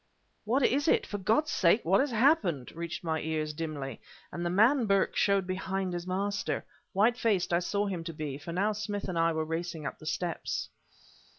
"What is it? For God's sake, what has happened!" reached my ears dimly and the man Burke showed behind his master. White faced I saw him to be; for now Smith and I were racing up the steps.